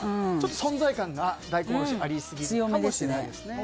存在感が大根おろしありすぎかもしれませんね。